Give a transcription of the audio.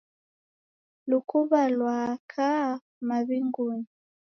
Lukuw'a lwaaka maw'ingunyi